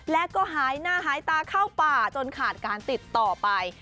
และก็หายหน้าหายตาเข้าป่าจนขาดการติดต่อไป